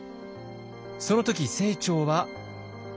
その時清張は。